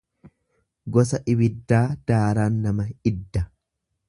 Gosa ibiddaa daaraan nama idda.